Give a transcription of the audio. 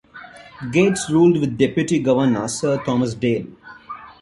Gates ruled with deputy governor Sir Thomas Dale.